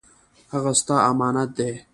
هغه ستا امانت دی